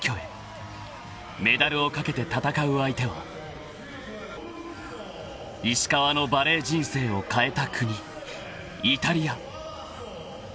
［メダルを懸けて戦う相手は石川のバレー人生を変えた国イタリア］